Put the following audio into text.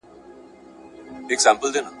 که قانون نه وي سياسي ژوند اړودوړ زېږوي.